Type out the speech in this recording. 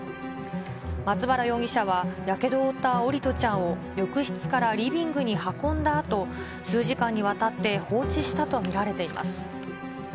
松原容疑者は、やけどを負った桜利斗ちゃんを浴室からリビングに運んだあと、数時間にわたって放置したと見られています。